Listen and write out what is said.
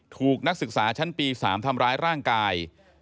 ถูกนักศึกษาชั้นปี๓ทำร้ายร่างกาย